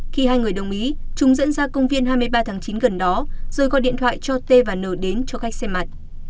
khi hai người đồng ý chúng dẫn ra công viên hai mươi ba tháng chín gần đó rồi gọi điện thoại cho t và n đến cho khách xem mặt